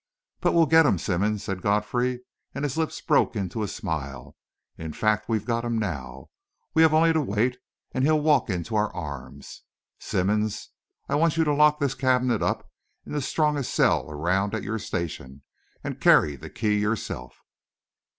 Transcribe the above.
"But we'll get him, Simmonds," said Godfrey, and his lips broke into a smile. "In fact, we've got him now. We have only to wait, and he'll walk into our arms. Simmonds, I want you to lock this cabinet up in the strongest cell around at your station; and carry the key yourself."